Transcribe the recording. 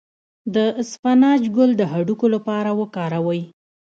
د اسفناج ګل د هډوکو لپاره وکاروئ